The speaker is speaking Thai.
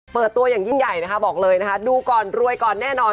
เปิดตัวอย่างยิ่งใหญ่นะคะบอกเลยนะคะดูก่อนรวยก่อนแน่นอน